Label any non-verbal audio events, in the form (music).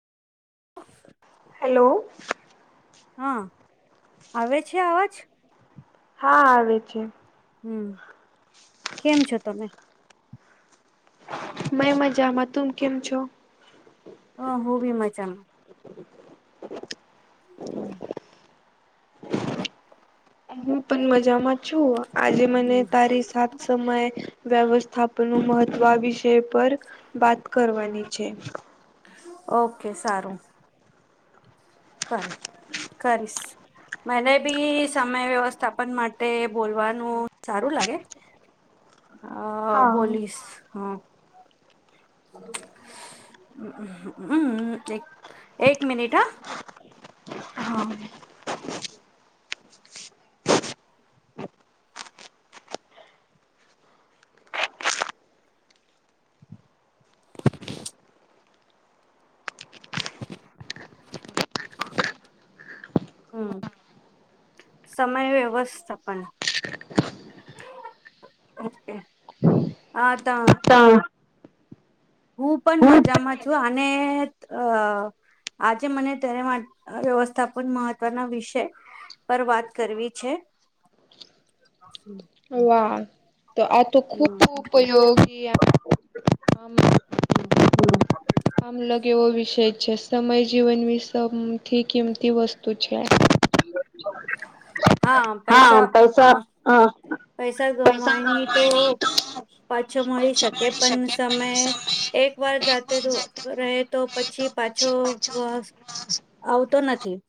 Hello હા આવે છે, અવાજ? હા આવે છે. હમ કેમ છો તમે? મેં મજામાં તુમ કેમ છો? હ હુ બી મજામાં. (inaudible) હમ. હું પણ મજામાં છું, આજે મને હમ તારી સાત સમય વ્યવસ્થાપન નુ મહત્વ વિષય પર બાત કરવાની છે. ઓકે સારું કર કરીશ. મને બી સમય વ્યવસ્થાપન માટે બોલવાનું સારું લાગે. અ હા બોલીસ હા હ એક એક મિનિટ હા હા. (inaudible) હમ સમય વ્યવસ્થ પણ ઓ હ ત હા. હું પણ મજામાં છું અને અ આજે મને તેને માટે વ્યવસ્થાપન મહત્વના વિષય પર વાત કરવી છે. વાહ તો આ તો ખૂબ હમ ઉપયોગી હમ. હમ. કામલગ એવો વિષય છે, સમય જીવનની સૌથી કિંમતી વસ્તુ છે. હા પૈસા હ પૈસા ગમવાની તો પાછો મળી શકે પણ સમય એક વાર જાતે રહે તો પછી પાછો આવતો નથી